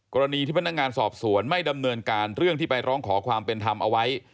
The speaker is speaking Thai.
กรณีที่พนักงานสอบสวนไม่ดำเนินการเรื่องที่ไปร้องขอความเป็นธรรมเอาไว้